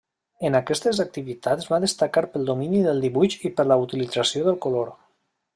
En aquestes activitats va destacar pel domini del dibuix i per la utilització del color.